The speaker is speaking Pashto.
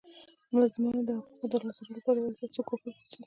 د مظلومانو د حقوقو د لاسته راوړلو لپاره باید هڅه او کوښښ وسي.